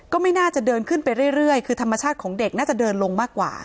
ก็ไม่น่าจะเดินขึ้นไปเรื่อยคือธรรมชาติของเด็กน่าจะเดินลงมากกว่า